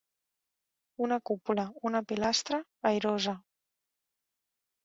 Una cúpula, una pilastra, airosa.